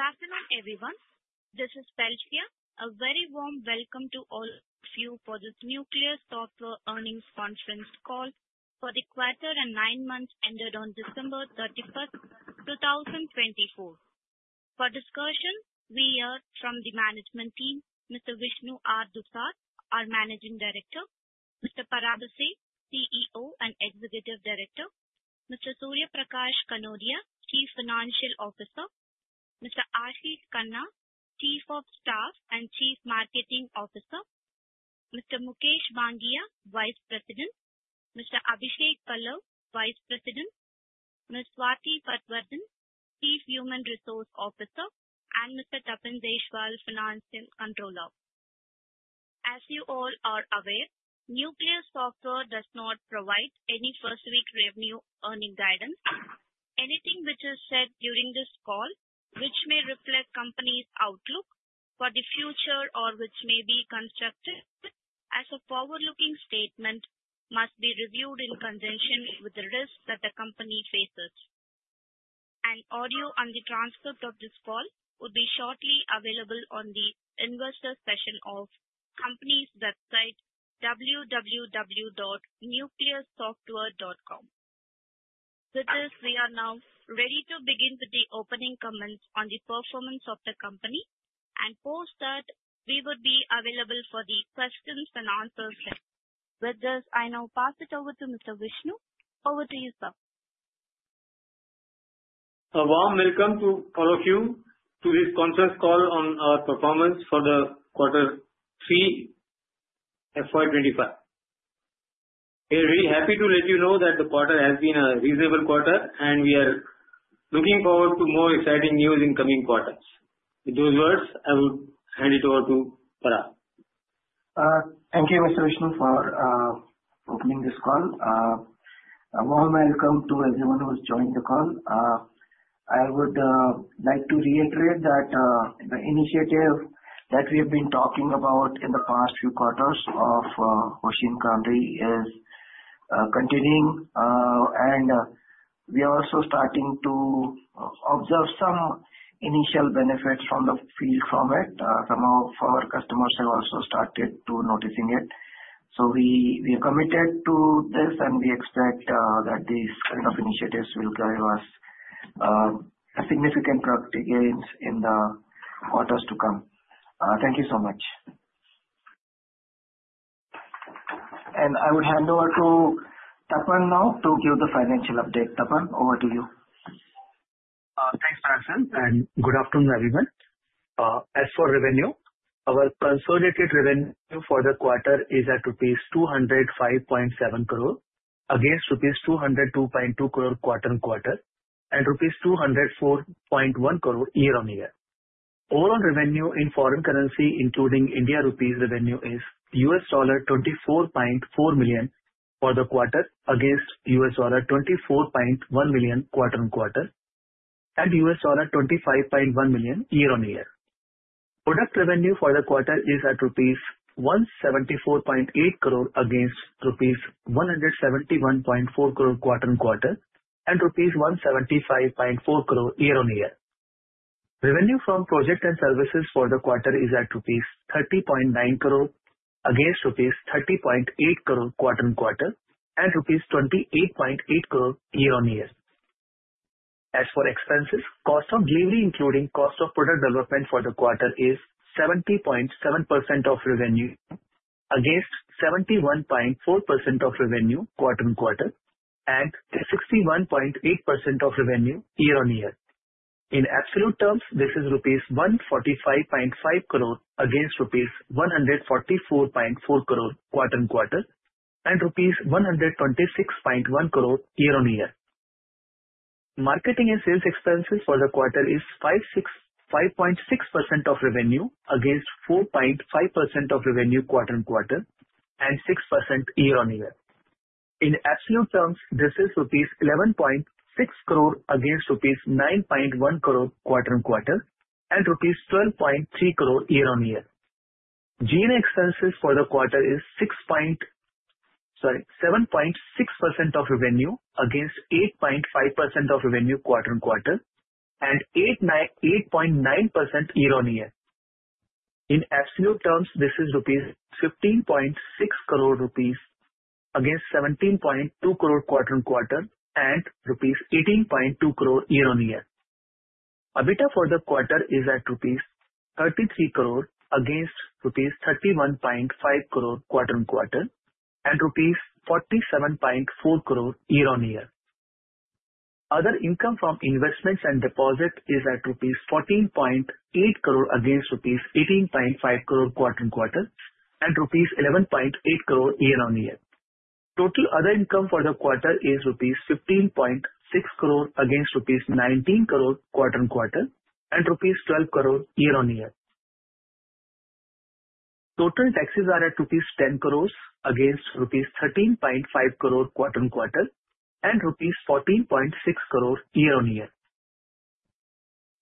Good afternoon, everyone. This is Pelchia. A very warm welcome to all of you for this Nucleus Software Earnings Conference call for the quarter and nine months ended on December 31, 2024. For discussion, we hear from the management team, Mr. Vishnu R. Dusad, our Managing Director, Mr. Parag Bhise, CEO and Executive Director, Mr. Surya Prakash Kanodia, Chief Financial Officer, Mr. Ashish Khanna, Chief of Staff and Chief Marketing Officer, Mr. Mukesh Bangia, Vice President, Mr. Abhishek Pallav, Vice President, Ms. Swati Patwardhan, Chief Human Resource Officer, and Mr. Tapan Jayaswal, Finance Controller. As you all are aware, Nucleus Software does not provide any forward-looking revenue earning guidance. Anything which is said during this call, which may reflect a company's outlook for the future or which may constitute as a forward-looking statement, must be reviewed in conjunction with the risks that the company faces. An audio and the transcript of this call will be shortly available on the investor session of the company's website, www.nucleussoftware.com. With this, we are now ready to begin with the opening comments on the performance of the company and post that we would be available for the questions and answers session. With this, I now pass it over to Mr. Vishnu. Over to you, sir. So, warm welcome to all of you to this conference call on our performance for the quarter three FY25. We are really happy to let you know that the quarter has been a reasonable quarter, and we are looking forward to more exciting news in the coming quarters. With those words, I would hand it over to Parag. Thank you, Mr. Vishnu, for opening this call. A warm welcome to everyone who has joined the call. I would like to reiterate that the initiative that we have been talking about in the past few quarters of Hoshin Kanri is continuing, and we are also starting to observe some initial benefits from the field from it. Some of our customers have also started to notice it. So, we are committed to this, and we expect that these kinds of initiatives will give us significant growth gains in the quarters to come. Thank you so much, and I would hand over to Tapan now to give the financial update. Tapan, over to you. Thanks, Parag. And good afternoon, everyone. As for revenue, our consolidated revenue for the quarter is at rupees 205.7 crore against rupees 202.2 crore quarter-on-quarter and rupees 204.1 crore year-on-year. Overall revenue in foreign currency, including Indian rupees, revenue is $24.4 million for the quarter against $24.1 million quarter-on-quarter and $25.1 million year-on-year. Product revenue for the quarter is at rupees 174.8 crore against rupees 171.4 crore quarter-on-quarter and rupees 175.4 crore year-on-year. Revenue from projects and services for the quarter is at rupees 30.9 crore against rupees 30.8 crore quarter-on-quarter and INR 28.8 crore year-on-year. As for expenses, cost of delivery, including cost of product development for the quarter, is 70.7% of revenue against 71.4% of revenue quarter-on-quarter and 61.8% of revenue year-on-year. In absolute terms, this is rupees 145.5 crore against rupees 144.4 crore quarter-on-quarter and rupees 126.1 crore year-on-year. Marketing and sales expenses for the quarter are 5.6% of revenue against 4.5% of revenue quarter-on-quarter and 6% year-on-year. In absolute terms, this is rupees 11.6 crore against rupees 9.1 crore quarter-on-quarter and rupees 12.3 crore year-on-year. G&A expenses for the quarter are 7.6% of revenue against 8.5% of revenue quarter-on-quarter and 8.9% year-on-year. In absolute terms, this is 15.6 crore rupees against 17.2 crore quarter-on-quarter and rupees 18.2 crore year-on-year. EBITDA for the quarter is at rupees 33 crore against rupees 31.5 crore quarter-on-quarter and rupees 47.4 crore year-on-year. Other income from investments and deposits is at rupees 14.8 crore against rupees 18.5 crore quarter-on-quarter and rupees 11.8 crore year-on-year. Total other income for the quarter is rupees 15.6 crore against rupees 19 crore quarter-on-quarter and rupees 12 crore year-on-year. Total taxes are at rupees 10 crore against rupees 13.5 crore quarter-on-quarter and rupees 14.6 crore year-on-year.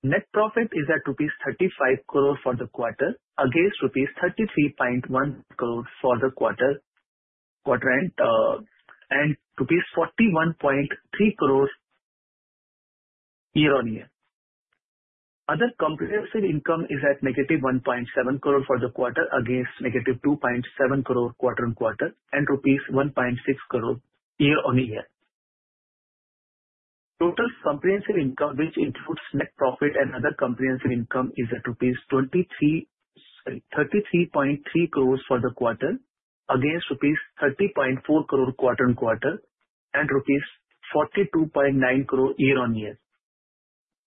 Net profit is at rupees 35 crore for the quarter against rupees 33.1 crore for the quarter-end and INR 41.3 crore year-on-year. Other comprehensive income is at -1.7 crore for the quarter against negative 2.7 crore quarter-on-quarter and rupees 1.6 crore year-on-year. Total comprehensive income, which includes net profit and other comprehensive income, is at rupees 23.3 crore for the quarter against rupees 30.4 crore quarter-on-quarter and rupees 42.9 crore year-on-year.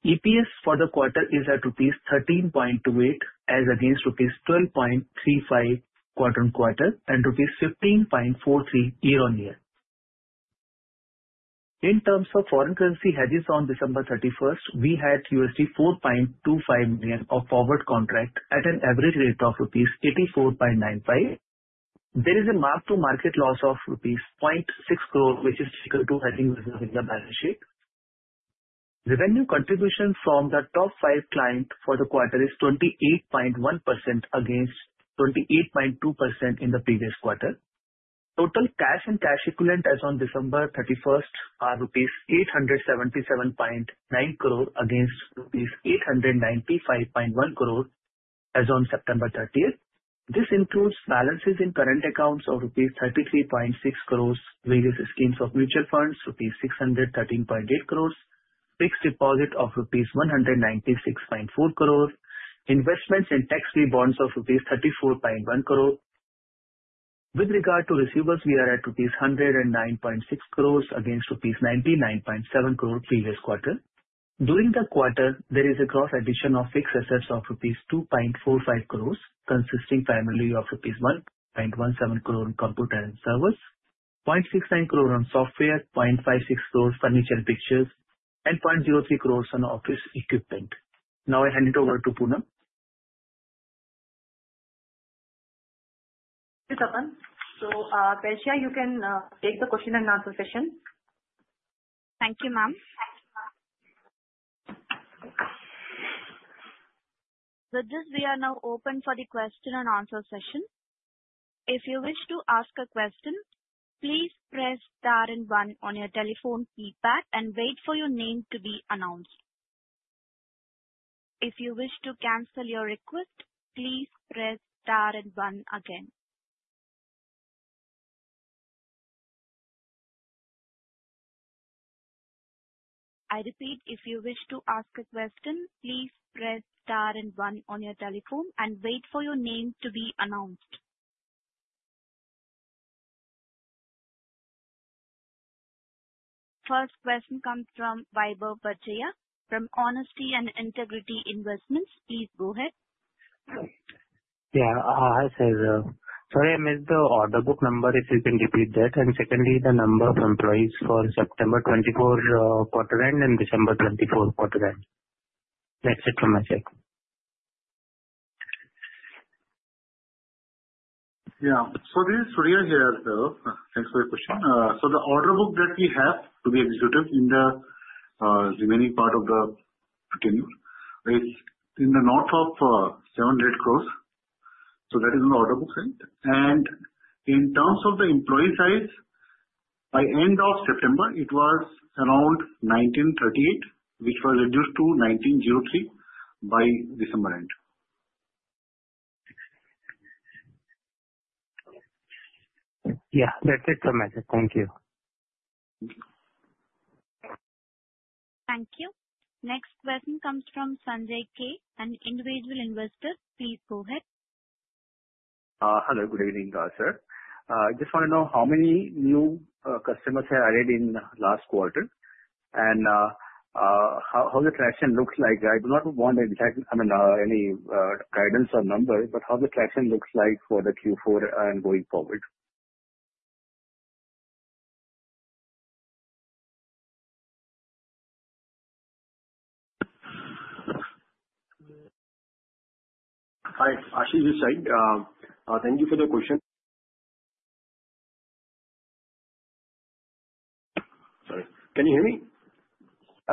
EPS for the quarter is at rupees 13.28 as against rupees 12.35 quarter-on-quarter and rupees 15.43 year-on-year. In terms of foreign currency hedges on December 31, 2024, we had $4.25 million of forward contract at an average rate of rupees 84.95. There is a Mark-to-Market loss of rupees 0.6 crore, which is equal to hedging within the balance sheet. Revenue contribution from the top five clients for the quarter is 28.1% against 28.2% in the previous quarter. Total cash and cash equivalent as on December 31, 2024 are rupees 877.9 crore against 895.1 crore as on September 30, 2024. This includes balances in current accounts of rupees 33.6 crore, various schemes of mutual funds rupees 613.8 crore, fixed deposit of rupees 196.4 crore, investments and tax-free bonds of rupees 34.1 crore. With regard to receivables, we are at rupees 109.6 crore against rupees 99.7 crore previous quarter. During the quarter, there is a gross addition of fixed assets of rupees 2.45 crore, consisting primarily of rupees 1.17 crore in computers and servers, 0.69 crore on software, 0.56 crore furniture and fixtures, and 0.03 crore on office equipment. Now, I hand it over to Poonam. Thank you, Tapan. So, Pelchia, you can take the question and answer session. Thank you, ma'am. With this, we are now open for the question and answer session. If you wish to ask a question, please press star and one on your telephone keypad and wait for your name to be announced. If you wish to cancel your request, please press star and one again. I repeat, if you wish to ask a question, please press star and one on your telephone and wait for your name to be announced. First question comes from Vaibhav Badjatya. From Honesty & Integrity Investment, please go ahead. Yeah, hi Sailu. Sorry, I missed the order book number if you can repeat that. And secondly, the number of employees for September 2024 quarter-end and December 2024 quarter-end. That's it from my side. Yeah. So this is Surya here, sir. Thanks for your question. So the order book that we have to be executed in the remaining part of the. It's in the north of 700 crore. So that is on the order book side. And in terms of the employee size, by end of September, it was around 1,938, which was reduced to 1,903 by December end. Yeah, that's it from my side. Thank you. Thank you. Next question comes from Sanjay K. An individual investor. Please go ahead. Hello. Good evening, sir. I just want to know how many new customers have added in the last quarter and how the traction looks like. I do not want any guidance or numbers, but how the traction looks like for the Q4 and going forward. Hi, this is Ashish. Thank you for the question. Sorry. Can you hear me?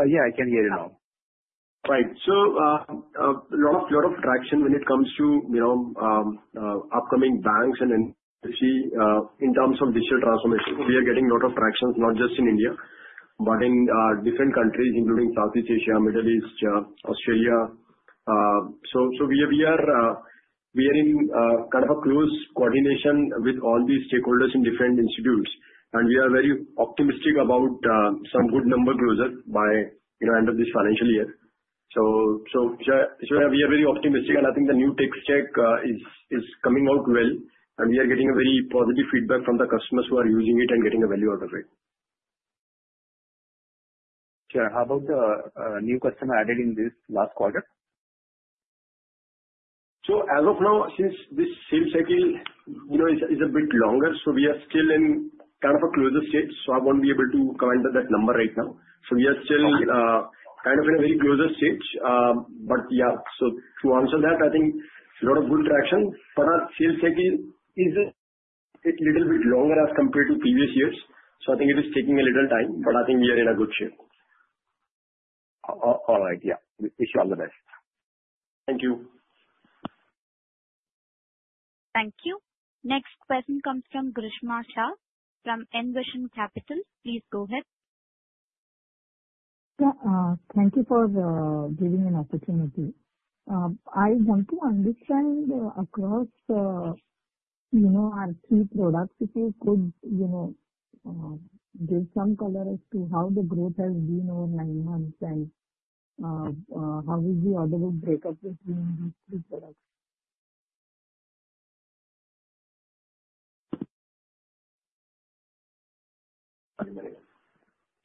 Yeah, I can hear you now. Right. So a lot of traction when it comes to upcoming banks and industry in terms of digital transformation. We are getting a lot of traction, not just in India, but in different countries, including Southeast Asia, Middle East, Australia. So we are in kind of a close coordination with all these stakeholders in different institutes. And we are very optimistic about some good number closer by the end of this financial year. So we are very optimistic, and I think the new tech stack is coming out well, and we are getting very positive feedback from the customers who are using it and getting a value out of it. Sure. How about the new customer added in this last quarter? As of now, since this sales cycle is a bit longer, we are still in kind of a closing stage. I won't be able to comment on that number right now. But yeah, to answer that, I think a lot of good traction. Our sales cycle is a little bit longer as compared to previous years. I think it is taking a little time, but I think we are in a good shape. All right. Yeah. Wish you all the best. Thank you. Thank you. Next question comes from Grishma Shah from Envision Capital. Please go ahead. Thank you for giving an opportunity. I want to understand across our key products if you could give some color as to how the growth has been over nine months and how would the order book break up between these three products?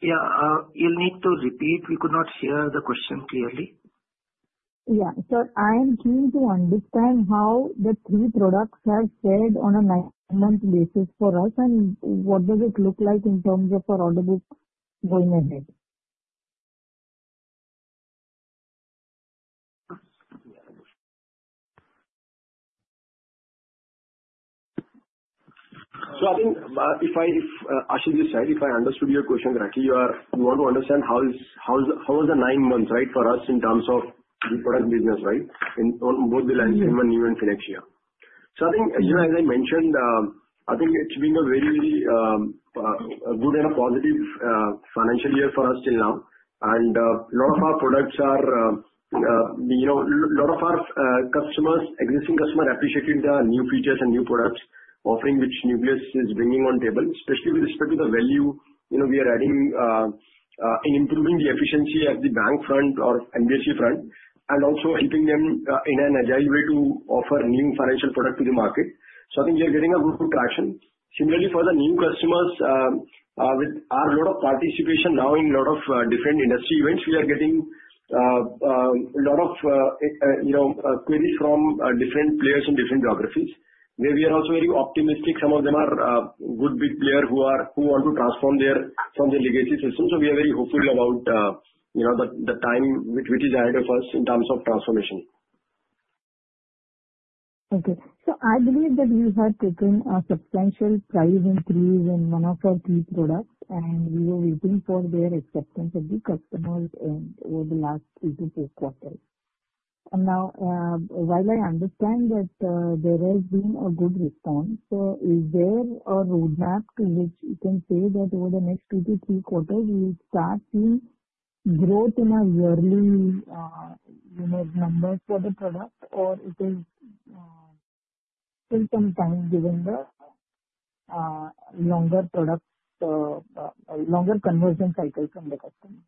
Yeah. You'll need to repeat. We could not hear the question clearly. Yeah, so I am keen to understand how the three products have fared on a nine-month basis for us and what does it look like in terms of our order book going ahead? I think, Ashish, I said, if I understood your question correctly, you want to understand how was the nine months, right, for us in terms of the product business, right, on both the lending and transaction, in one year and the next year. I think, as I mentioned, it's been a very, very good and a positive financial year for us till now. A lot of our existing customers appreciated the new features and new product offerings which Nucleus is bringing on the table, especially with respect to the value we are adding in improving the efficiency at the bank front or MSME front and also helping them in an agile way to offer new financial products to the market. I think we are getting a good traction. Similarly, for the new customers, with our lot of participation now in a lot of different industry events, we are getting a lot of queries from different players in different geographies, where we are also very optimistic. Some of them are good big players who want to transform them from the legacy system. So we are very hopeful about the time which is ahead of us in terms of transformation. Okay, so I believe that we have taken a substantial price increase in one of our key products, and we were waiting for their acceptance of the customers over the last three-to-four quarters, and now, while I understand that there has been a good response, so is there a roadmap to which you can say that over the next two to three quarters, we will start seeing growth in our yearly numbers for the product, or is it still some time given the longer conversion cycle from the customer?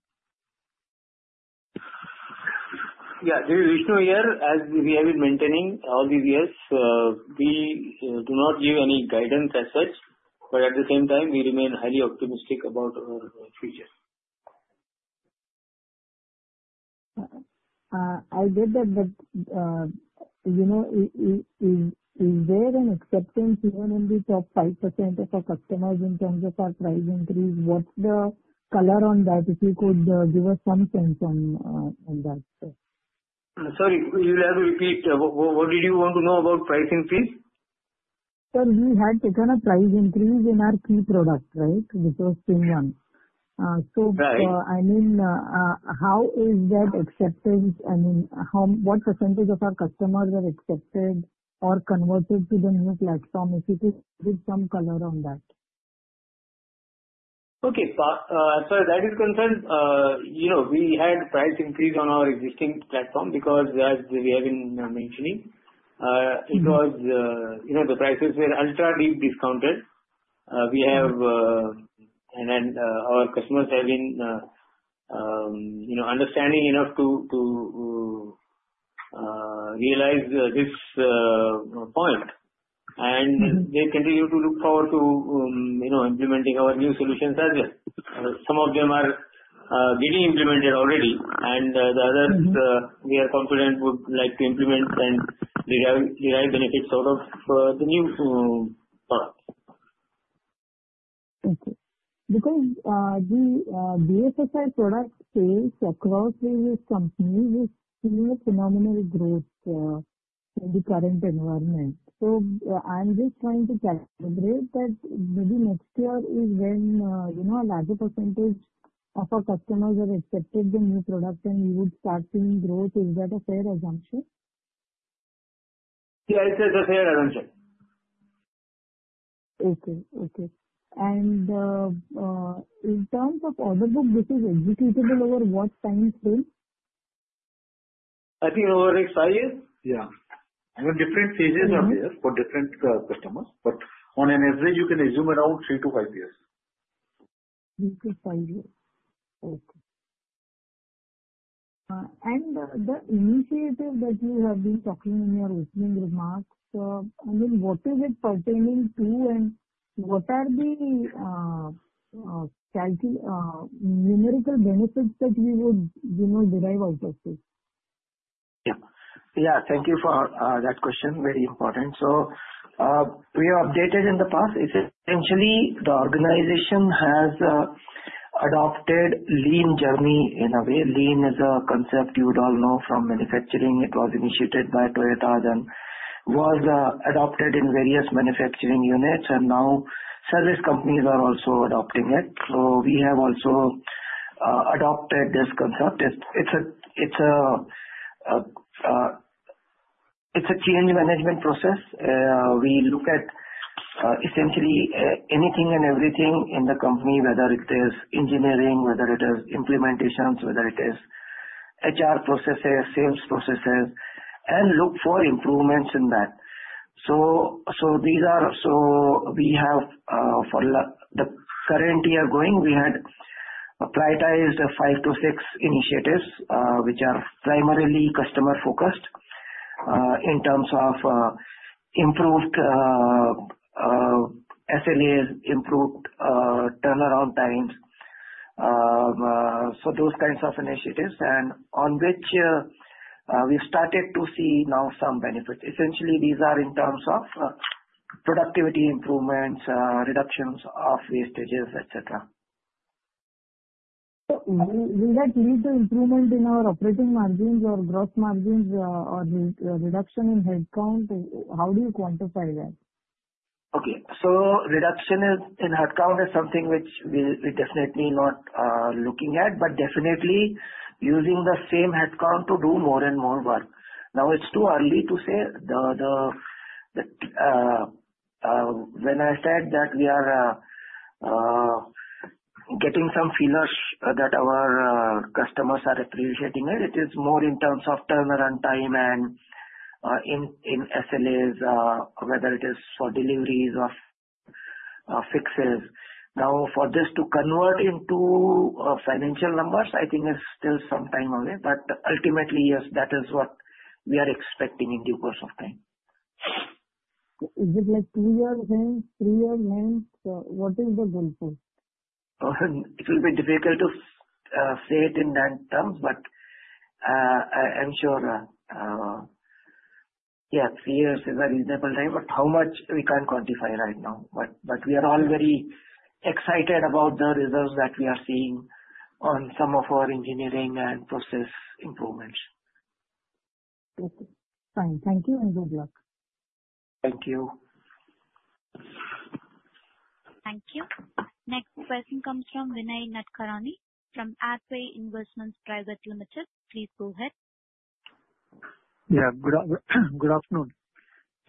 Yeah. This is Vishnu here. As we have been maintaining all these years, we do not give any guidance as such, but at the same time, we remain highly optimistic about our future. I get that. Is there an acceptance even in the top 5% of our customers in terms of our price increase? What's the color on that, if you could give us some sense on that? Sorry, you'll have to repeat. What did you want to know about price increase? Sir, we had taken a price increase in our key product, right, which was FinnOne. So I mean, how is that accepted? I mean, what percentage of our customers are accepted or converted to the new platform, if you could give some color on that? Okay. So as far as that is concerned, we had price increase on our existing platform because, as we have been mentioning, it was the prices were ultra deep discounted. And our customers have been understanding enough to realize this point, and they continue to look forward to implementing our new solutions as well. Some of them are getting implemented already, and the others we are confident would like to implement and derive benefits out of the new products. Okay. Because the BFSI product sales across various companies is seeing a phenomenal growth in the current environment. So I'm just trying to calibrate that maybe next year is when a larger percentage of our customers are accepted the new product and we would start seeing growth. Is that a fair assumption? Yeah, it's a fair assumption. And in terms of order book, this is executable over what time frame? I think over next five years. Yeah. There are different phases of the year for different customers. But on an average, you can assume around three to five years. Three to five years. Okay. And the initiative that you have been talking in your opening remarks, I mean, what is it pertaining to, and what are the numerical benefits that we would derive out of this? Yeah. Yeah. Thank you for that question. Very important. So we adopted in the past. Essentially, the organization has adopted Lean Journey in a way. Lean is a concept you would all know from manufacturing. It was initiated by Toyota, then was adopted in various manufacturing units, and now service companies are also adopting it. So we have also adopted this concept. It is a change management process. We look at essentially anything and everything in the company, whether it is engineering, whether it is implementations, whether it is HR processes, sales processes, and look for improvements in that. So we have, for the current year going, we had prioritized five to six initiatives which are primarily customer-focused in terms of improved SLAs, improved turnaround times. So those kinds of initiatives on which we have started to see now some benefits. Essentially, these are in terms of productivity improvements, reductions of wastages, et cetera. So will that lead to improvement in our operating margins or gross margins or reduction in headcount? How do you quantify that? Okay. So reduction in headcount is something which we're definitely not looking at, but definitely using the same headcount to do more and more work. Now, it's too early to say. When I said that we are getting some feelers that our customers are appreciating it, it is more in terms of turnaround time and in SLAs, whether it is for deliveries or fixes. Now, for this to convert into financial numbers, I think it's still some time away. But ultimately, yes, that is what we are expecting in due course of time. Is it like two years in, three years in? So what is the goal post? It will be difficult to say it in those terms, but I'm sure, yeah, three years is a reasonable time, but how much we can quantify right now, but we are all very excited about the results that we are seeing on some of our engineering and process improvements. Okay. Fine. Thank you and good luck. Thank you. Thank you. Next question comes from Vinay Nadkarni from Hathway Investments Private Limited. Please go ahead. Yeah. Good afternoon.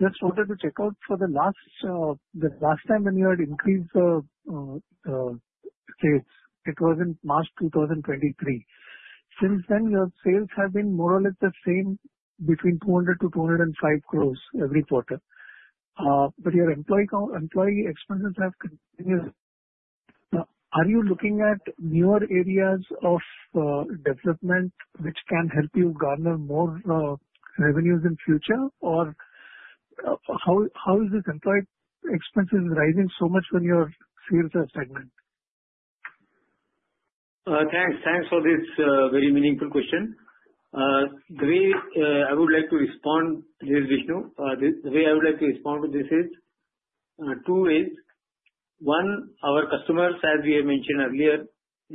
Just wanted to check out for the last time when you had increased the sales, it was in March 2023. Since then, your sales have been more or less the same between 200 crores-205 crores every quarter. But your employee expenses have continued. Are you looking at newer areas of development which can help you garner more revenues in the future, or how is this employee expenses rising so much when your sales are stagnant? Thanks for this very meaningful question. The way I would like to respond, this is Vishnu. The way I would like to respond to this is two ways. One, our customers, as we have mentioned earlier,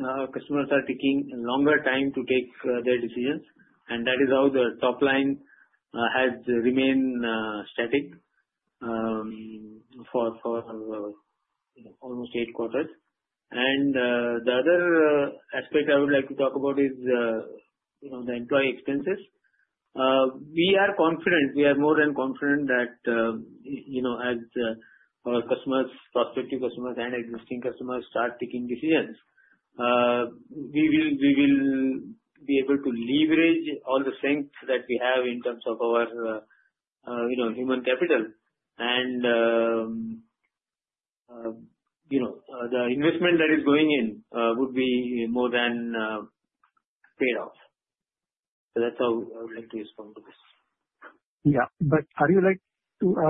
our customers are taking longer time to take their decisions, and that is how the top line has remained static for almost eight quarters. And the other aspect I would like to talk about is the employee expenses. We are confident. We are more than confident that as our customers, prospective customers, and existing customers start taking decisions, we will be able to leverage all the strengths that we have in terms of our human capital. And the investment that is going in would be more than paid off. So that's how I would like to respond to this. Yeah. But are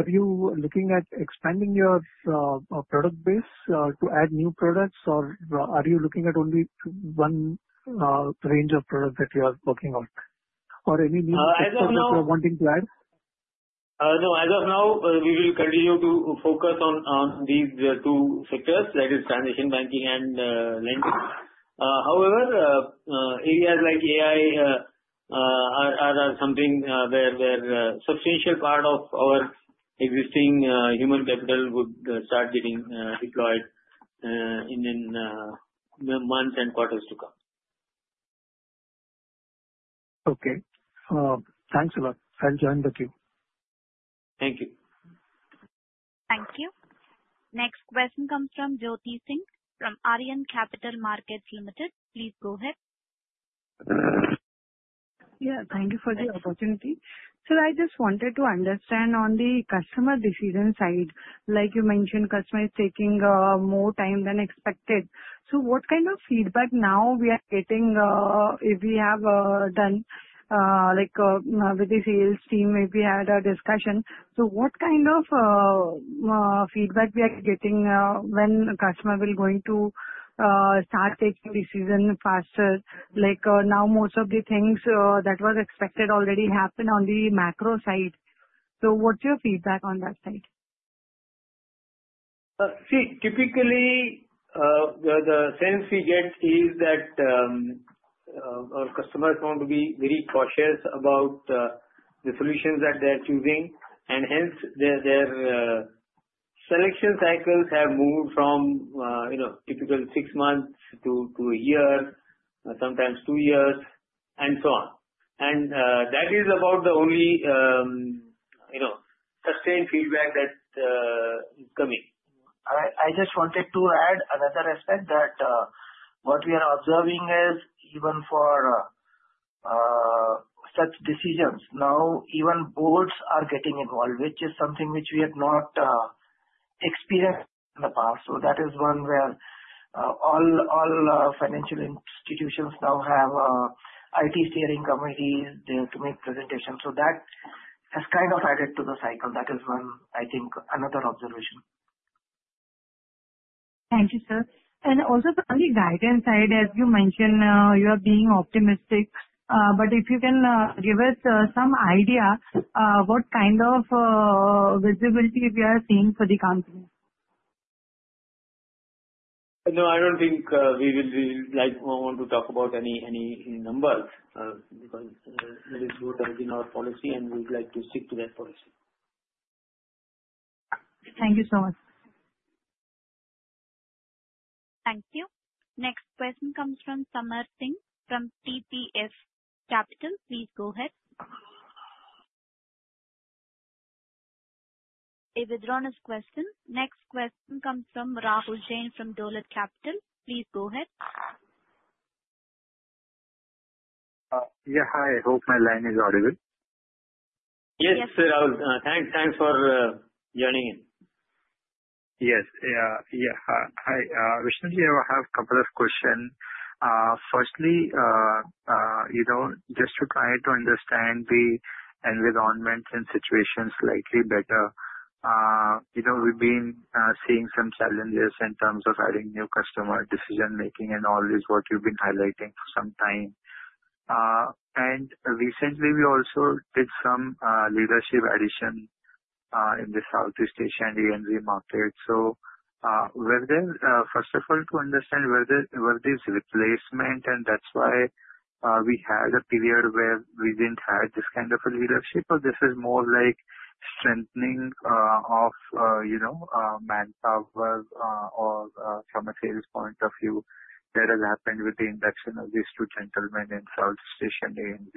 you looking at expanding your product base to add new products, or are you looking at only one range of products that you are working on? Or any new sectors you are wanting to add? No. As of now, we will continue to focus on these two sectors, that is transaction banking and lending. However, areas like AI are something where a substantial part of our existing human capital would start getting deployed in the months and quarters to come. Okay. Thanks a lot. I'll join the queue. Thank you. Thank you. Next question comes from Jyoti Singh from Arihant Capital Markets Limited. Please go ahead. Yeah. Thank you for the opportunity. Sir, I just wanted to understand on the customer decision side. Like you mentioned, customer is taking more time than expected. So what kind of feedback now we are getting if we have done with the sales team if we had a discussion? So what kind of feedback we are getting when a customer will going to start taking decision faster? Now, most of the things that were expected already happened on the macro side. So what's your feedback on that side? See, typically, the sense we get is that our customers want to be very cautious about the solutions that they're choosing, and hence their selection cycles have moved from typical six months to a year, sometimes two years, and so on. And that is about the only sustained feedback that is coming. I just wanted to add another aspect that what we are observing is even for such decisions, now even boards are getting involved, which is something which we have not experienced in the past. So that is one where all financial institutions now have IT steering committees there to make presentations. So that has kind of added to the cycle. That is one, I think, another observation. Thank you, sir, and also from the guidance side, as you mentioned, you are being optimistic, but if you can give us some idea what kind of visibility we are seeing for the company? No, I don't think we will want to talk about any numbers because it is what has been our policy, and we would like to stick to that policy. Thank you so much. Thank you. Next question comes from Samar Singh from TPF Capital. Please go ahead. Withdrawn his question. Next question comes from Rahul Jain from Dolat Capital. Please go ahead. Yeah. Hi. I hope my line is audible. Yes, sir. Thanks for joining in. Yes. Yeah. Hi. Originally, I have a couple of questions. Firstly, just to try to understand the environment and situations slightly better. We've been seeing some challenges in terms of adding new customer decision-making and all this what you've been highlighting for some time. And recently, we also did some leadership addition in the Southeast Asian ANZ market. So first of all, to understand where this replacement and that's why we had a period where we didn't have this kind of a leadership, or this is more like strengthening of manpower or from a sales point of view that has happened with the induction of these two gentlemen in Southeast Asian ANZ.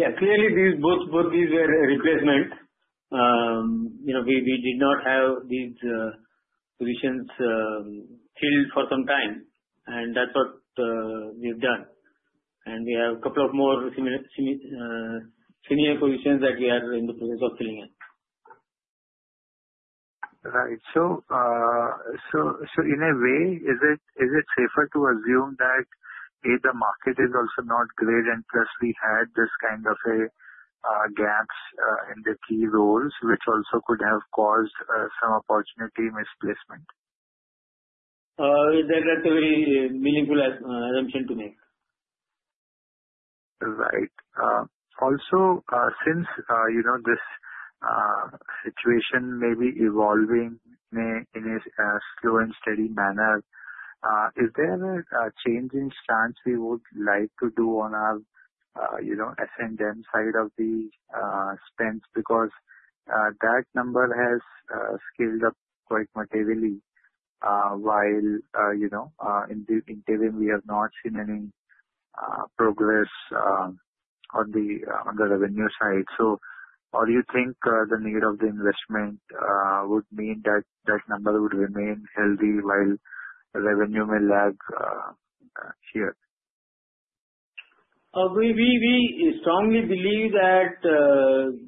Yeah. Clearly, both these were replacement. We did not have these positions filled for some time, and that's what we've done, and we have a couple of more senior positions that we are in the process of filling in. Right. So in a way, is it safer to assume that the market is also not great and plus we had this kind of gaps in the key roles which also could have caused some opportunity misplacement? That's a very meaningful assumption to make. Right. Also, since this situation may be evolving in a slow and steady manner, is there a change in stance we would like to do on our S&M side of the spend? Because that number has scaled up quite materially while in the interim, we have not seen any progress on the revenue side. So do you think the need of the investment would mean that that number would remain healthy while revenue may lag here? We strongly believe that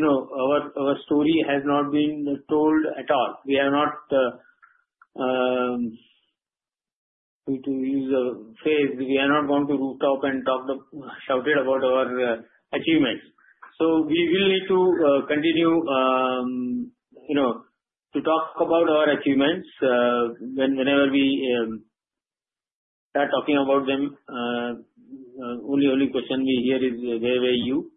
our story has not been told at all. We are not, to use a phrase, we are not going to rooftop and shout about our achievements. So we will need to continue to talk about our achievements whenever we are talking about them. Only question we hear is, "Where were you?"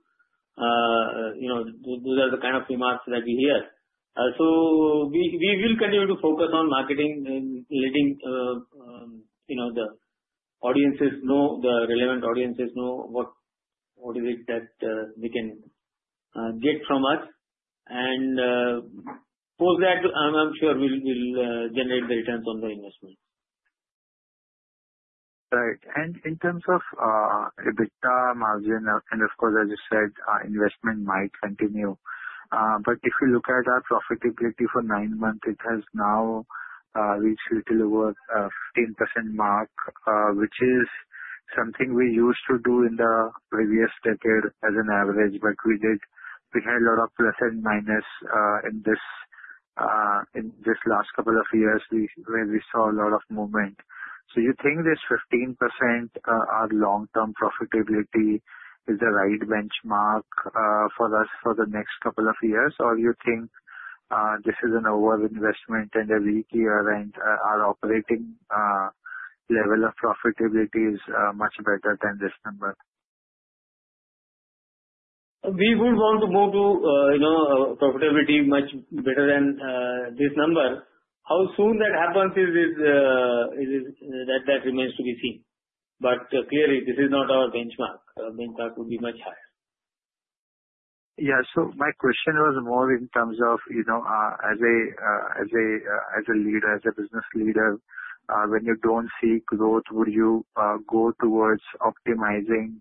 Those are the kind of remarks that we hear. So we will continue to focus on marketing and letting the audiences know, the relevant audiences know what is it that they can get from us. And post that, I'm sure we'll generate the returns on the investment. Right. And in terms of EBITDA margin, and of course, as you said, investment might continue. But if you look at our profitability for nine months, it has now reached a little over 15% mark, which is something we used to do in the previous decade as an average, but we had a lot of plus and minus in this last couple of years where we saw a lot of movement. So you think this 15% long-term profitability is the right benchmark for us for the next couple of years, or do you think this is an over-investment and a weak year, and our operating level of profitability is much better than this number? We would want to go to profitability much better than this number. How soon that happens, that remains to be seen. But clearly, this is not our benchmark. Our benchmark would be much higher. Yeah. So my question was more in terms of as a leader, as a business leader, when you don't see growth, would you go towards optimizing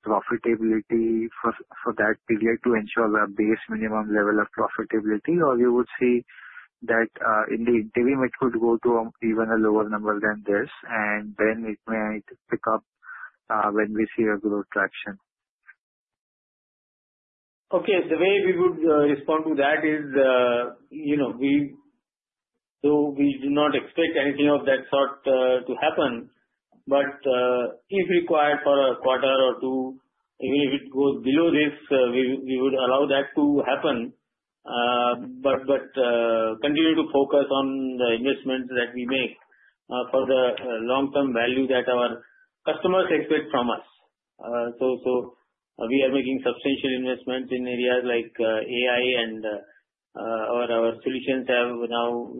profitability for that period to ensure the base minimum level of profitability, or you would see that in the interim, it could go to even a lower number than this, and then it might pick up when we see a growth traction? Okay. The way we would respond to that is we do not expect anything of that sort to happen. But if required for a quarter or two, even if it goes below this, we would allow that to happen. But continue to focus on the investments that we make for the long-term value that our customers expect from us. So we are making substantial investments in areas like AI, and our solutions have now,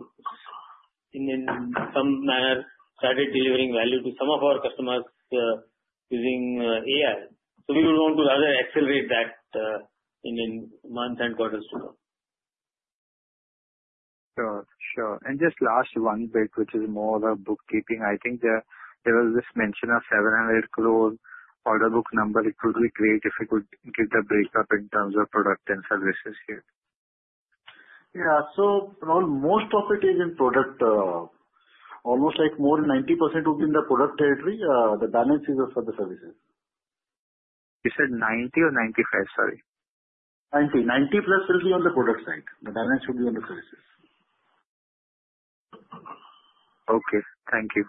in some manner, started delivering value to some of our customers using AI. So we would want to rather accelerate that in months and quarters to come. Sure. Sure. And just last one bit, which is more of a bookkeeping. I think there was this mention of 700 crore order book number. It would be great if we could get the breakup in terms of product and services here. Yeah. So most of it is in product. Almost like more than 90% would be in the product territory. The balance is for the services. You said 90 or 95? Sorry. 90%. 90%+ will be on the product side. The balance will be on the services. Okay. Thank you.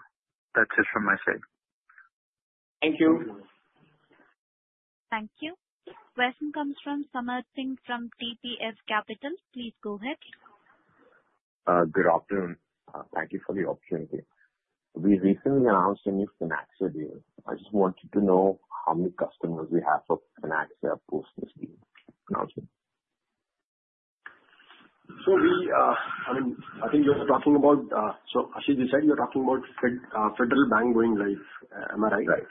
That's it from my side. Thank you. Thank you. Question comes from Samar Singh from TPF Capital. Please go ahead. Good afternoon. Thank you for the opportunity. We recently announced a new FinnAxia deal. I just wanted to know how many customers we have for FinnAxia post this deal announcement? So, I mean, I think you're talking about, so, Ashish, you said you're talking about Federal Bank going live. Am I right? Right.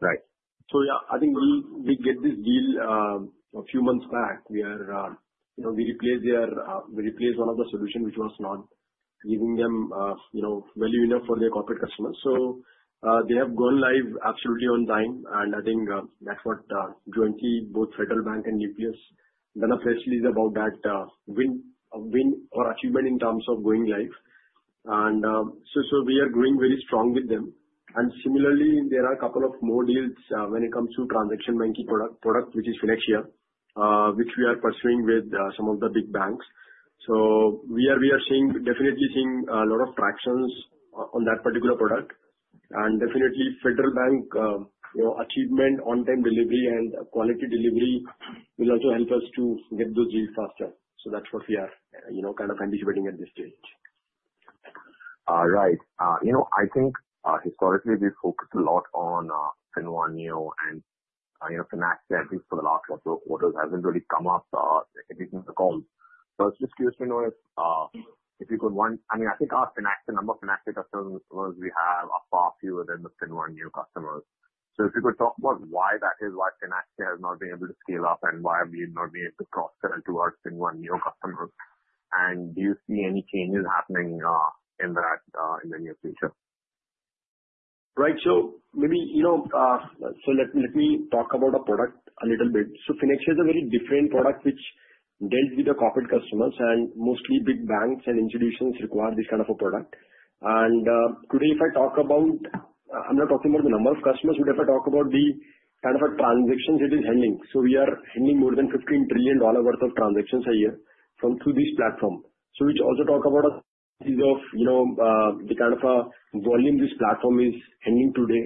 Right. So yeah, I think we did get this deal a few months back. We replaced one of the solutions which was not giving them value enough for their corporate customers. So they have gone live absolutely on time, and I think that's what jointly both Federal Bank and Nucleus' DNA precisely is about that win or achievement in terms of going live. And so we are going very strong with them. And similarly, there are a couple of more deals when it comes to transaction banking product, which is FinnAxia, which we are pursuing with some of the big banks. So we are definitely seeing a lot of tractions on that particular product. And definitely, Federal Bank achievement, on-time delivery, and quality delivery will also help us to get those deals faster. So that's what we are kind of anticipating at this stage. All right. I think historically, we've focused a lot on FinnOne Neo and FinnAxia, at least for the last couple of quarters. It hasn't really come up in the calls. So I was just curious to know if you could, I mean, I think our number of FinnAxia customers we have are far fewer than the FinnOne Neo customers. So if you could talk about why that is, why FinnAxia has not been able to scale up, and why we have not been able to cross-sell to our FinnOne Neo customers, and do you see any changes happening in the near future? Right, so maybe let me talk about our product a little bit, so FinnAxia is a very different product which deals with the corporate customers, and mostly big banks and institutions require this kind of a product, and today, if I talk about, I'm not talking about the number of customers, but if I talk about the kind of transactions it is handling, so we are handling more than $15 trillion worth of transactions a year through this platform, so we also talk about the kind of volume this platform is handling today,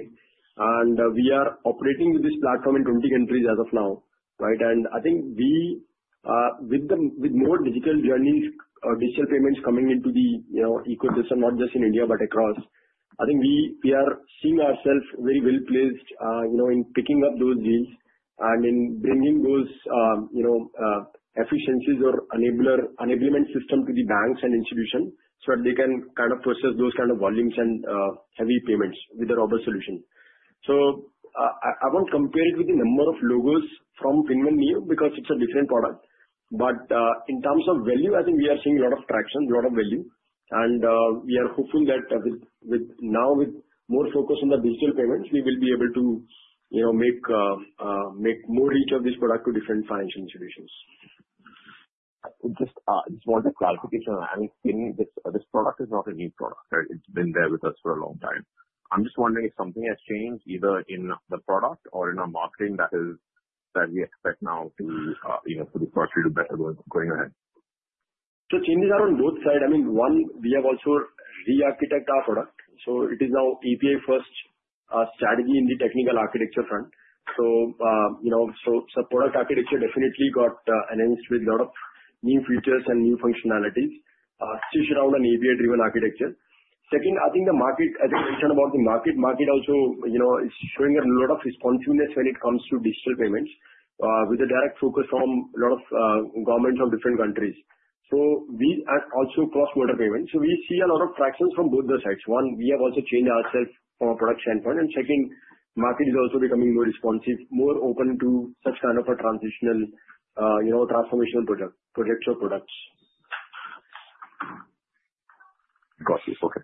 and we are operating with this platform in 20 countries as of now, right? And I think with more digital journeys, digital payments coming into the ecosystem, not just in India but across, I think we are seeing ourselves very well placed in picking up those deals and in bringing those efficiencies or enablement system to the banks and institutions so that they can kind of process those kind of volumes and heavy payments with a robust solution. So I won't compare it with the number of logos from FinnOne Neo because it's a different product. But in terms of value, I think we are seeing a lot of traction, a lot of value. And we are hopeful that now, with more focus on the digital payments, we will be able to make more reach of this product to different financial institutions. I just want a clarification. I mean, this product is not a new product. It's been there with us for a long time. I'm just wondering if something has changed either in the product or in our marketing that we expect now for the product to do better going ahead. So changes are on both sides. I mean, one, we have also re-architected our product. So it is now API-first strategy in the technical architecture front. So product architecture definitely got enhanced with a lot of new features and new functionalities. Switched around an API-driven architecture. Second, I think the market, as I mentioned about the market, market also is showing a lot of responsiveness when it comes to digital payments with a direct focus from a lot of governments of different countries. So we also cross-border payments. So we see a lot of tractions from both the sides. One, we have also changed ourselves from a product standpoint. And second, market is also becoming more responsive, more open to such kind of a transitional transformational projects or products. Got it. Okay.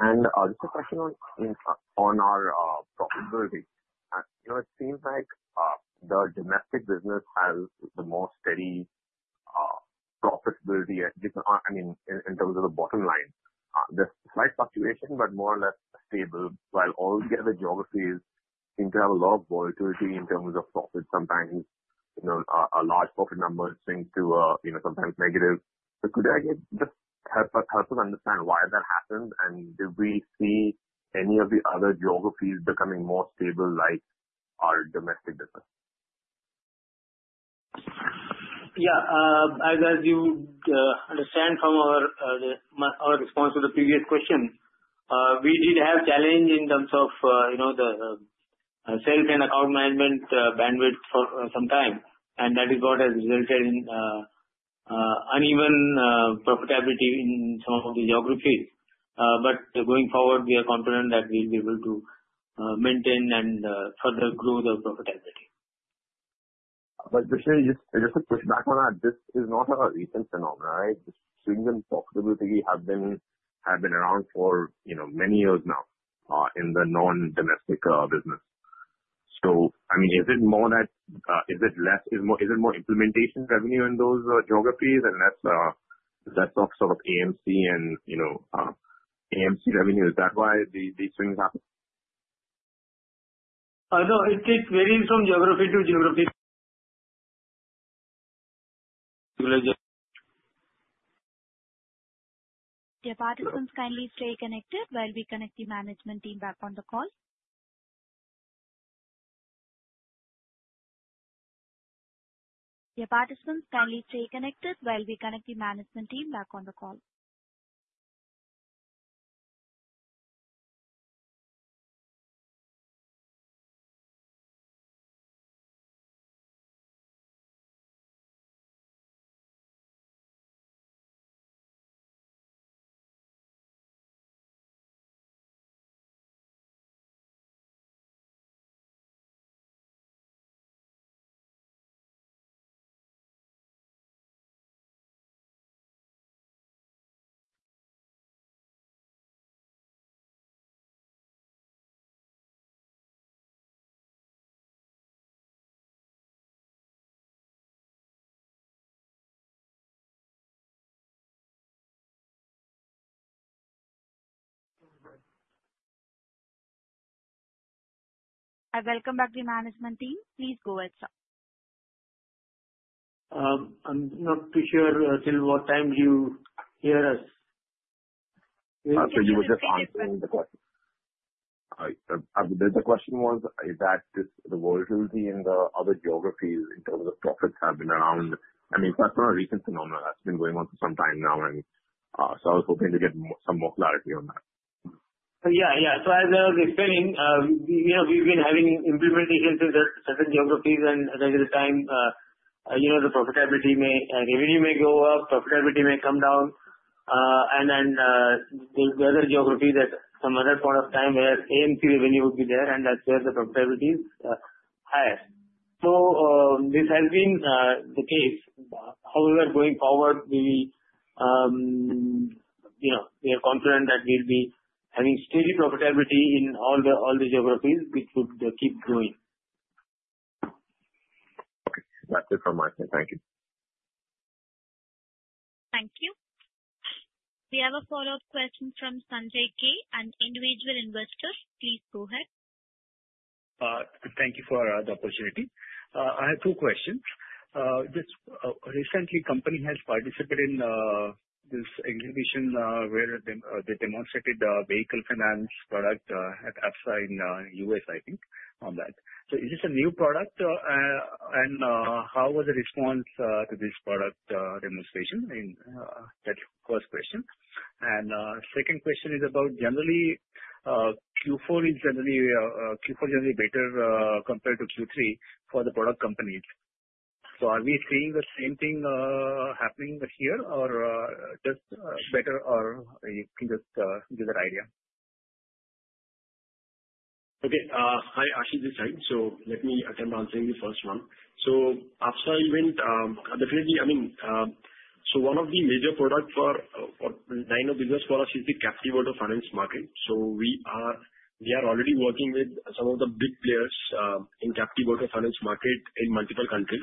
And just a question on our profitability. It seems like the domestic business has the more steady profitability, I mean, in terms of the bottom line. There's slight fluctuation, but more or less stable, while all the other geographies seem to have a lot of volatility in terms of profits. Sometimes a large profit number swings to sometimes negative. So could you just help us understand why that happens, and do we see any of the other geographies becoming more stable like our domestic business? Yeah. As you understand from our response to the previous question, we did have challenges in terms of the sales and account management bandwidth for some time. And that is what has resulted in uneven profitability in some of the geographies. But going forward, we are confident that we'll be able to maintain and further grow the profitability. But just to push back on that, this is not a recent phenomenon, right? Swings in profitability have been around for many years now in the non-domestic business. So I mean, is it more implementation revenue in those geographies and less of sort of AMC revenue? Is that why these swings happen? No, it varies from geography to geography. Dear participants, kindly stay connected while we connect the management team back on the call. Welcome back, the management team. Please go ahead sir. I'm not too sure till what time you hear us. So you were just answering the question. I believe the question was, is that the volatility in the other geographies in terms of profits have been around? I mean, that's not a recent phenomenon. That's been going on for some time now. And so I was hoping to get some more clarity on that. Yeah. Yeah. So as I was explaining, we've been having implementations in certain geographies, and at the end of the time, the profitability, revenue may go up, profitability may come down. And then there's the other geographies that some other point of time where AMC revenue would be there, and that's where the profitability is higher. So this has been the case. However, going forward, we are confident that we'll be having steady profitability in all the geographies, which would keep going. Okay. That's it from my side. Thank you. Thank you. We have a follow-up question from Sanjay K. An individual investor. Please go ahead. Thank you for the opportunity. I have two questions. Recently, the company has participated in this exhibition where they demonstrated a vehicle finance product at AFSA in the U.S., I think, on that. So is this a new product? And how was the response to this product demonstration? That's the first question. And the second question is about generally, Q4 is generally better compared to Q3 for the product companies. So are we seeing the same thing happening here, or just better, or you can just give that idea? Okay. Hi, Ashish this side. So let me attempt to answer the first one. So AFSA event, definitely, I mean, so one of the major products for FinnOne business for us is the captive auto finance market. So we are already working with some of the big players in captive auto finance market in multiple countries.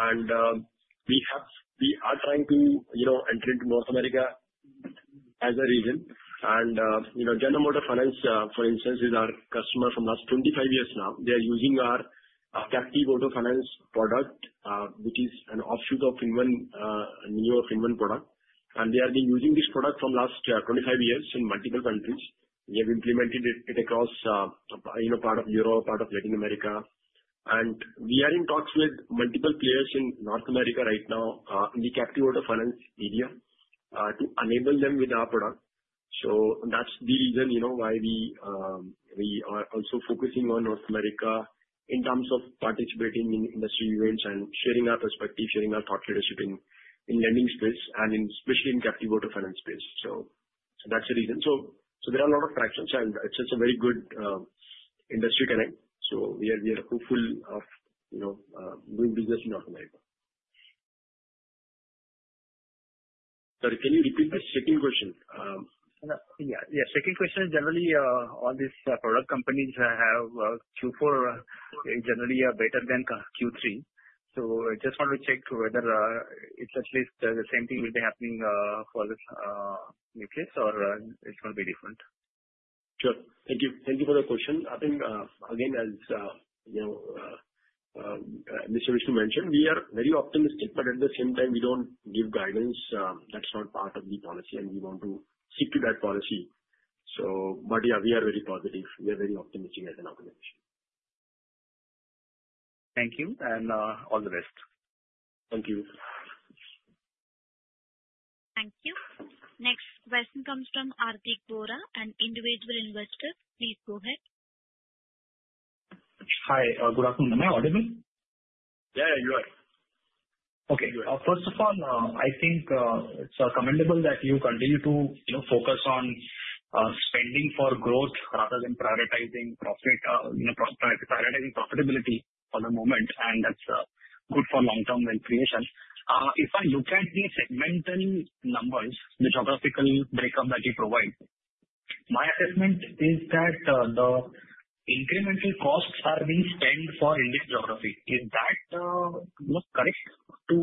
We are trying to enter into North America as a region. General Motors Finance, for instance, is our customer from last 25 years now. They are using our captive auto finance product, which is an offshoot of FinnOne Neo, a FinnOne product. They have been using this product from last 25 years in multiple countries. We have implemented it across part of Europe, part of Latin America. We are in talks with multiple players in North America right now in the captive auto finance market to enable them with our product. T hat's the reason why we are also focusing on North America in terms of participating in industry events and sharing our perspective, sharing our thought leadership in lending space, and especially in captive auto finance space. That's the reason. There are a lot of tractions, and it's a very good industry connect. So we are hopeful of doing business in North America. Sorry, can you repeat the second question? Yeah. Yeah. Second question is generally, all these product companies have Q4 is generally better than Q3. So I just want to check whether it's at least the same thing will be happening for this Nucleus, or it's going to be different? Sure. Thank you. Thank you for the question. I think, again, as Mr. Vishnu mentioned, we are very optimistic, but at the same time, we don't give guidance. That's not part of the policy, and we want to stick to that policy. But yeah, we are very positive. We are very optimistic as an organization. Thank you. And all the best. Thank you. Thank you. Next question comes from Hardik Bora and individual investors. Please go ahead. Hi. Good afternoon. Am I audible? Yeah. You are. Okay. First of all, I think it's commendable that you continue to focus on spending for growth rather than prioritizing profitability for the moment. And that's good for long-term value creation. If I look at the segmental numbers, the geographical breakup that you provide, my assessment is that the incremental costs are being spent for India's geography. Is that correct to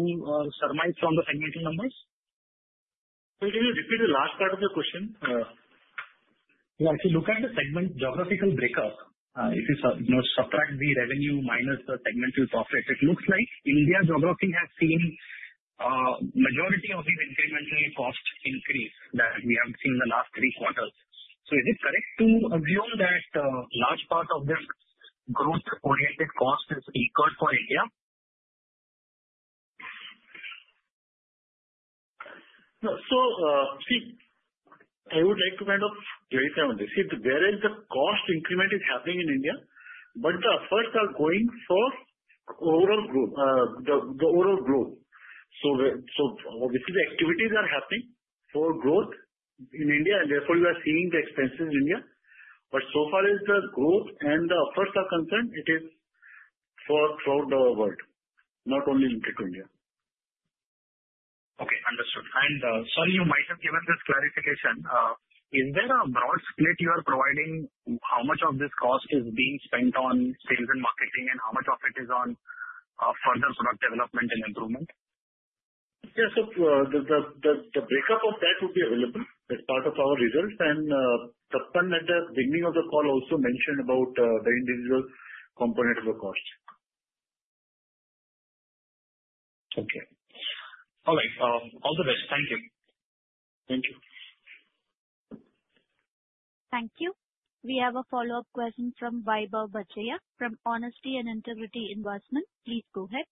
surmise from the segmental numbers? So can you repeat the last part of your question? If you look at the segment geographical breakup, if you subtract the revenue minus the segmental profits, it looks like India's geography has seen a majority of these incremental cost increases that we have seen in the last three quarters. So is it correct to assume that a large part of this growth-oriented cost is equal for India? So see, I would like to kind of clarify on this. See, whereas the cost increment is happening in India, but the efforts are going for overall growth. So obviously, the activities are happening for growth in India, and therefore you are seeing the expenses in India. But so far as the growth and the efforts are concerned, it is for throughout the world, not only limited to India. Okay. Understood. And sorry, you might have given this clarification. Is there a broad split you are providing? How much of this cost is being spent on sales and marketing, and how much of it is on further product development and improvement? Yeah. So the breakup of that would be available as part of our results. And Tapan, at the beginning of the call, also mentioned about the individual component of the cost. Okay. All the best. Thank you. Thank you. Thank you. We have a follow-up question from Vaibhav Badjatya from Honest & Integrity Investment. Please go ahead.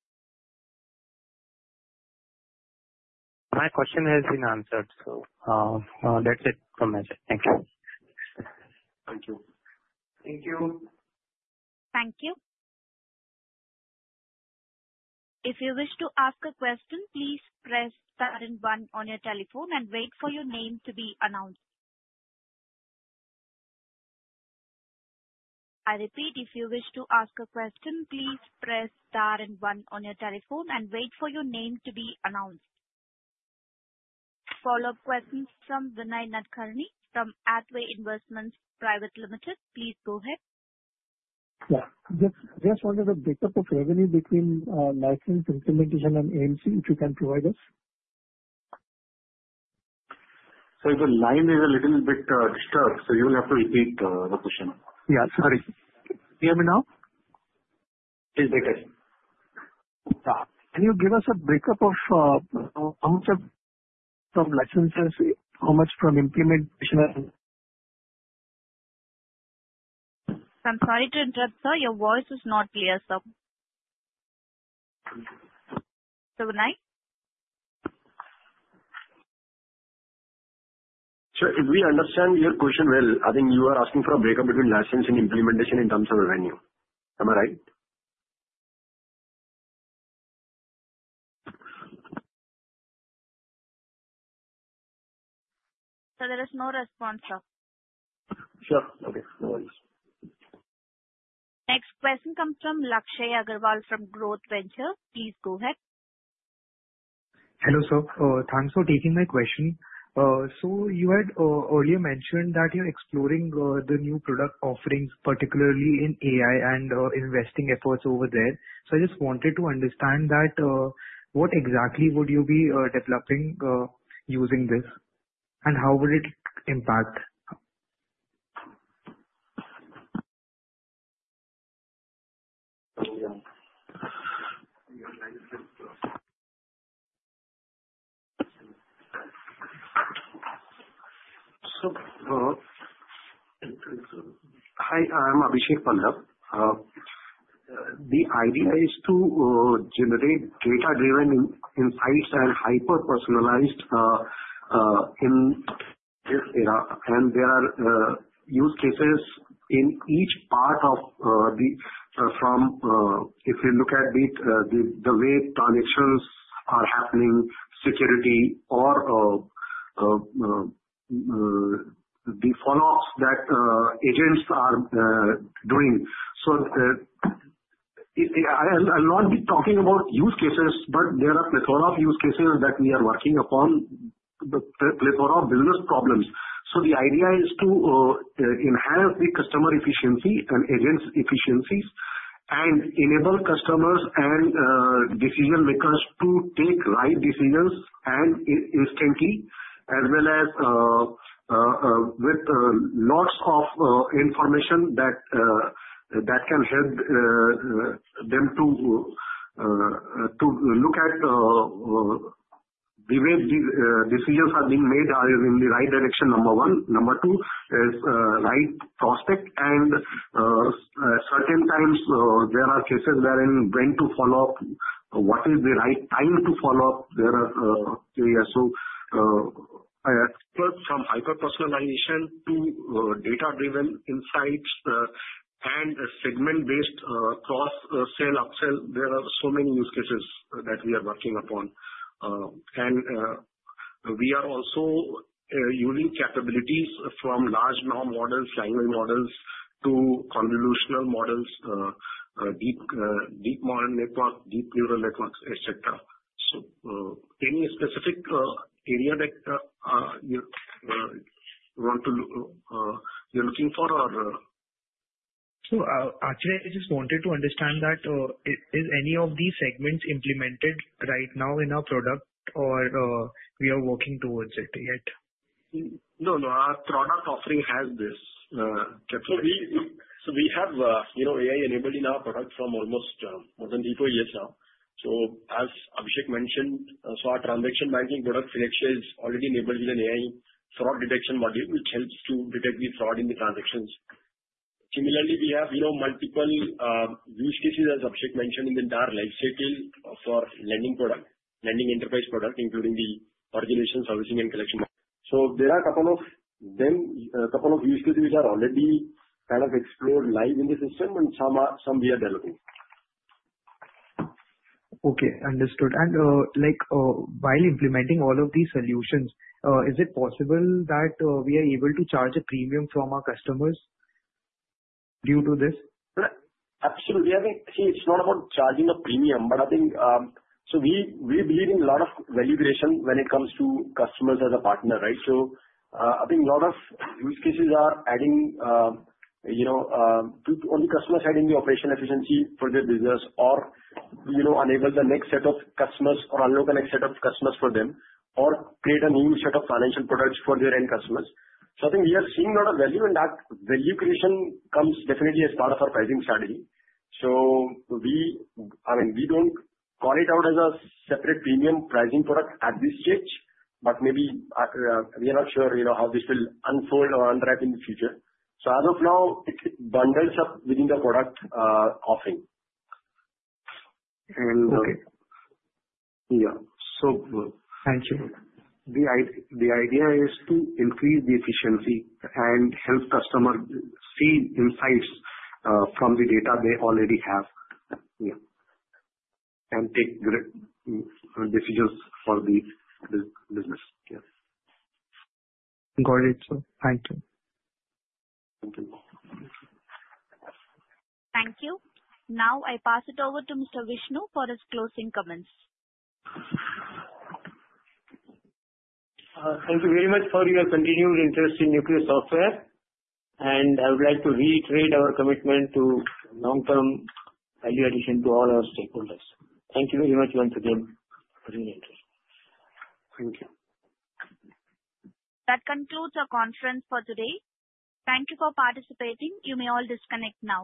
My question has been answered. So that's it from my side. Thank you. Thank you. Thank you. Thank you. If you wish to ask a question, please press star and one on your telephone and wait for your name to be announced. I repeat, if you wish to ask a question, please press star and one on your telephone and wait for your name to be announced. Follow-up questions from Vinay Nadkarni from Hathway Investments Private Limited. Please go ahead. Yeah. Just wanted a break-up of revenue between license, implementation, and AMC, if you can provide us. Sorry, the line is a little bit disturbed. So you will have to repeat the question. Yeah. Sorry. Can you hear me now? It's better. Can you give us a breakup of how much from licenses, how much from implementation? I'm sorry to interrupt, sir. Your voice is not clear, sir. Sure. If we understand your question well, I think you are asking for a breakdown between license and implementation in terms of revenue. Am I right? Sir, there is no response, sir. Sure. Okay. No worries. Next question comes from Lakshay Agarwal from Growth Ventures. Please go ahead. Hello, sir. Thanks for taking my question. So you had earlier mentioned that you're exploring the new product offerings, particularly in AI and investing efforts over there. So I just wanted to understand that what exactly would you be developing using this, and how would it impact? Hi, I'm Abhishek Pallav. The idea is to generate data-driven insights and hyper-personalized in this era. There are use cases in each part of the front if you look at the way transactions are happening, security, or the follow-ups that agents are doing. I'll not be talking about use cases, but there are plenty of use cases that we are working upon, plenty of business problems. The idea is to enhance the customer efficiency and agents' efficiencies and enable customers and decision-makers to take right decisions instantly, as well as with lots of information that can help them to look at the way decisions are being made in the right direction. Number one. Number two is right prospect. Certain times, there are cases wherein when to follow-up, what is the right time to follow-up. There are areas of some hyper-personalization to data-driven insights and segment-based cross-sell upsell. There are so many use cases that we are working upon, and we are also using capabilities from large language models to convolutional neural networks, deep neural networks, et cetera. So any specific area that you're looking for? Actually, I just wanted to understand that is any of these segments implemented right now in our product, or we are working towards it yet? No, no. Our product offering has this. So we have AI enabled in our product from almost more than 20 years now. So as Abhishek mentioned, so our transaction banking product FinnAxia is already enabled with an AI fraud detection module, which helps to detect the fraud in the transactions. Similarly, we have multiple use cases, as Abhishek mentioned, in the entire lifecycle for lending product, lending enterprise product, including the origination, servicing, and collection. So there are a couple of use cases which are already kind of explored live in the system, and some we are developing. Okay. Understood. And while implementing all of these solutions, is it possible that we are able to charge a premium from our customers due to this? Absolutely. I think, see, it's not about charging a premium, but I think so we believe in a lot of value creation when it comes to customers as a partner, right? So I think a lot of use cases are adding on the customer side in the operational efficiency for their business, or enable the next set of customers, or unlock the next set of customers for them, or create a new set of financial products for their end customers. So I think we are seeing a lot of value, and that value creation comes definitely as part of our pricing strategy. So I mean, we don't call it out as a separate premium pricing product at this stage, but maybe we are not sure how this will unfold or unwrap in the future. So as of now, it bundles up within the product offering. Okay. Yeah. So thank you. The idea is to increase the efficiency and help customers see insights from the data they already have, yeah, and take decisions for the business. Yes. Got it, sir. Thank you. Thank you. Thank you. Now I pass it over to Mr. Vishnu for his closing comments. Thank you very much for your continued interest in Nucleus Software, and I would like to reiterate our commitment to long-term value addition to all our stakeholders. Thank you very much once again for your interest. Thank you. That concludes our conference for today. Thank you for participating. You may all disconnect now.